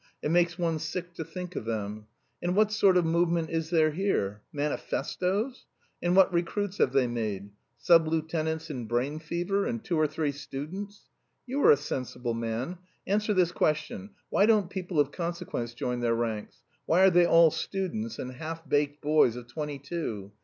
It makes one sick to think of them. And what sort of movement is there here? Manifestoes! And what recruits have they made? Sub lieutenants in brain fever and two or three students! You are a sensible man: answer this question. Why don't people of consequence join their ranks? Why are they all students and half baked boys of twenty two?